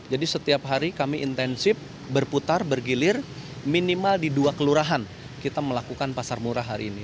jadi setiap hari kami intensif berputar bergilir minimal di dua kelurahan kita melakukan pasar murah hari ini